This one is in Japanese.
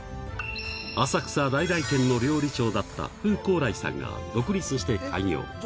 浅草・来々軒の料理長だったふこうらいさんが独立して開業。